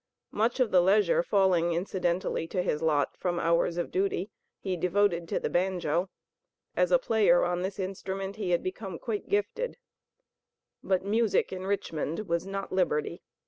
Much of the leisure falling incidentally to his lot from hours of duty, he devoted to the banjo. As a player on this instrument he had become quite gifted, but music in Richmond was not liberty.